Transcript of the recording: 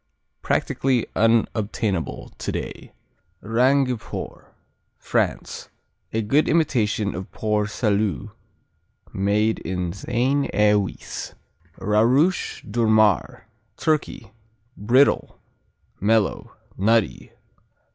Practically unobtainable today. Rangiport France A good imitation of Port Salut made in Seine et Oise. Rarush Durmar Turkey Brittle; mellow; nutty.